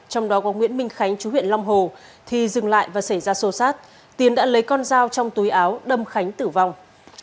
trong đó có nguyễn minh khánh chú huyện long hồ thì dừng lại và xảy ra sô sát tiến đã lấy con dao trong túi áo đâm khánh tử vong